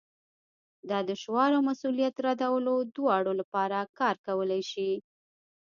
دا د شعار او مسؤلیت ردولو دواړو لپاره کار کولی شي